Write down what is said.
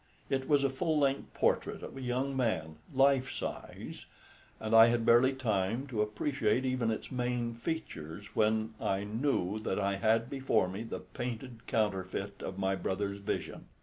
It was a full length portrait of a young man, life size, and I had barely time to appreciate even its main features when I knew that I had before me the painted counterfeit of my brother's vision.